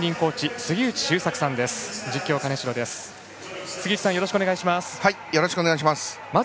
杉内さん、よろしくお願いします。